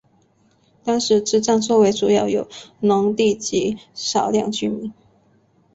当时车站周围主要有农地及少量民居。